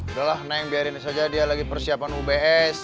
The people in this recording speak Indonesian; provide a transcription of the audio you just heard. udah lah neng biarin ini saja dia lagi persiapan ubs